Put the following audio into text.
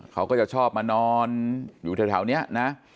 เขาก็จะชอบมานอนอยู่แถวนี้นะ